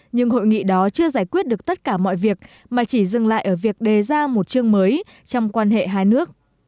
nhưng hội nghị đó chưa giải quyết được tất cả mọi việc mà chỉ dừng lại ở việc đề ra một chương mới trong quan hệ hai nước